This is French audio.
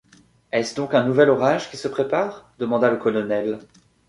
Est-ce donc un nouvel orage qui se prépare? demanda le colonel.